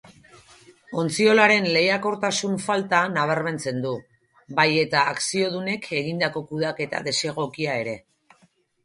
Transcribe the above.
Ontziolaren lehiakortasun falta nabarmentzen du, bai eta akziodunek egindako kudeaketa desegokia ere.